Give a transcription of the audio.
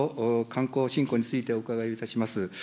観光振興についてお伺いをいたします。